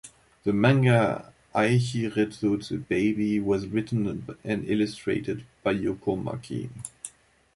The manga "Aishiteruze Baby" was written and illustrated by Yoko Maki.